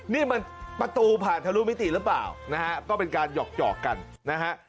นี่มันประตูผ่านทะลุมิติหรือเปล่านะฮะก็เป็นการหยอกกันนะฮะ